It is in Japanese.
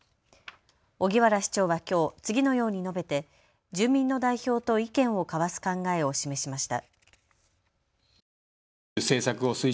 荻原市長はきょう、次のように述べて住民の代表と意見を交わす考えを示しました。